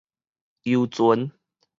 油船